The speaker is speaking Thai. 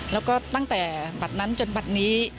แล้วก็ตั้งแต่บัตรนั้นจนบัตรนี้